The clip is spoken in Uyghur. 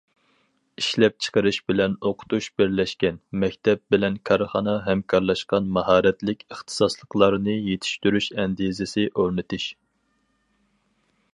ئىشلەپچىقىرىش بىلەن ئوقۇتۇش بىرلەشكەن، مەكتەپ بىلەن كارخانا ھەمكارلاشقان ماھارەتلىك ئىختىساسلىقلارنى يېتىشتۈرۈش ئەندىزىسى ئورنىتىش.